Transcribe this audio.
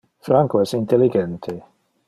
Franco es intelligente.